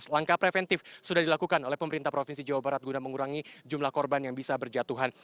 langkah preventif sudah dilakukan oleh pemerintah provinsi jawa barat guna mengurangi jumlah korban yang bisa berjatuhan